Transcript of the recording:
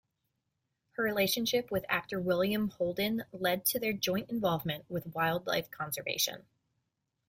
Her relationship with actor William Holden led to their joint involvement with wildlife conservation.